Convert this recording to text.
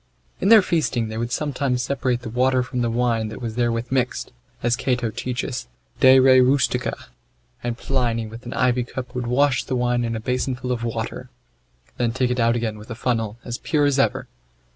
In their feasting they would sometimes separate the water from the wine that was therewith mixed, as Cato teacheth, De re rustica, and Pliny with an ivy cup would wash the wine in a basinful of water, then take it out again with a funnel as pure as ever.